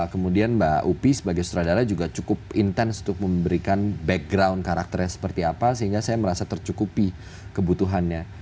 kemudian mbak upi sebagai sutradara juga cukup intens untuk memberikan background karakternya seperti apa sehingga saya merasa tercukupi kebutuhannya